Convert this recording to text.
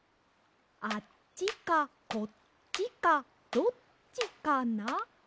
あっちかこっちかどっちかな？